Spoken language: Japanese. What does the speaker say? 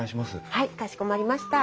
はいかしこまりました。